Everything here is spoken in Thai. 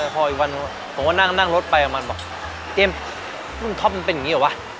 พออีกวันผมก็นั่งรถไปกับมันบอกเอ็มรุ่นท็อปมันเป็นอย่างนี้เหรอวะ